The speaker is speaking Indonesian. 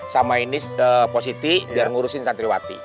sama ini positif biar ngurusin santriwati